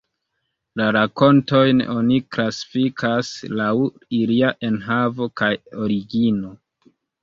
La rakontojn oni klasifikas laŭ ilia enhavo kaj origino.